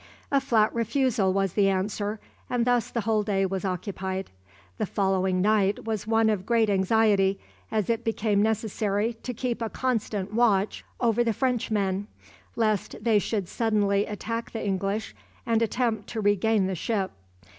A flat refusal was the answer, and thus the whole day was occupied. The following night was one of great anxiety, as it became necessary to keep a constant watch over the Frenchmen, lest they should suddenly attack the English and attempt to regain the ship.